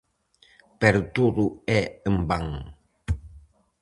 Pero todo é en van.